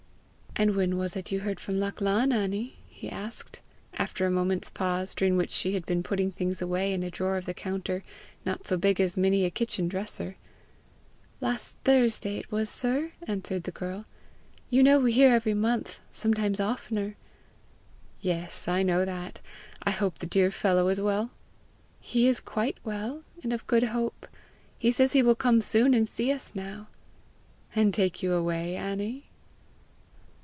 "And when was it you heard from Lachlan, Annie?" he asked. After a moment's pause, during which she had been putting away things in a drawer of the counter not so big as many a kitchen dresser "Last Thursday it was, sir," answered the girl. "You know we hear every month, sometimes oftener." "Yes; I know that. I hope the dear fellow is well?" "He is quite well and of good hope. He says he will soon come and see us now." "And take you away, Annie?"